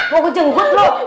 gue jengkut loh